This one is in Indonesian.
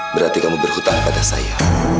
berarti kamu berhutang pada saya